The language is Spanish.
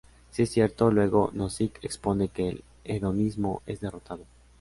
Si esto es cierto, luego, Nozick expone que el hedonismo es derrotado.